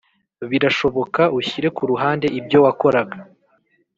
Birashoboka ushyire ku ruhande ibyo wakoraga.